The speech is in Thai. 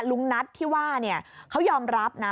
ลุงนัทที่ว่าเขายอมรับนะ